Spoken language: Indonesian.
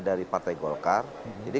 dari partai golkar jadi